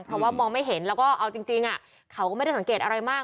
เพราะว่ามองไม่เห็นแล้วก็เอาจริงเขาก็ไม่ได้สังเกตอะไรมาก